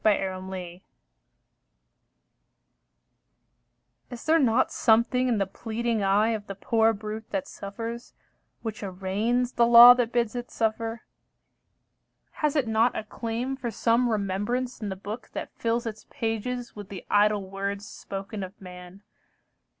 QUESTIONS Is there not something in the pleading eye Of the poor brute that suffers, which arraigns The law that bids it suffer? Has it not A claim for some remembrance in the book That fills its pages with the idle words Spoken of man?